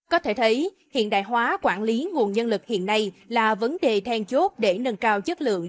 có thể thấy hiện đại hóa quản lý nguồn nhân lực hiện nay là vấn đề then chốt để nâng cao chất lượng